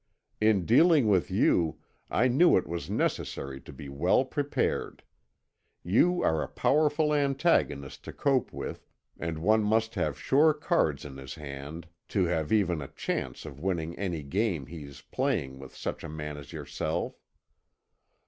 In dealing with you, I knew it was necessary to be well prepared. You are a powerful antagonist to cope with, and one must have sure cards in his hand to have even a chance of winning any game he is playing with such a man as yourself.